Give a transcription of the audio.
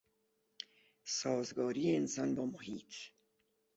سازگاری انسان با محیط